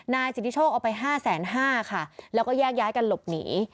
นายศิษย์ทิชโชคเอาไป๕แสน๕ค่ะแล้วก็แยกย้ายกันหลบหนี